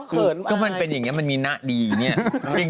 คุณแม่มันเหมือนจะโกรธพี่หนูกันสุดท้าย